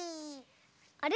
あれ？